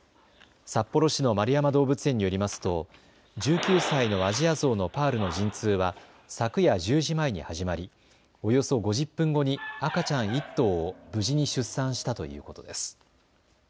札幌市の円山動物園によりますと１９歳のアジアゾウのパールの陣痛は昨夜１０時前に始まりおよそ５０分後に赤ちゃん１頭を無事に出産したということです。